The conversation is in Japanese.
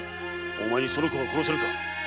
お前にその子が殺せるか！